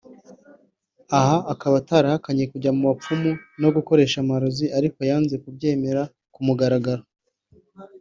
aha akaba atahakanye kujya mu bapfumu no gukoresha amarozi arikonyanze no kubyemera ku mugaragaro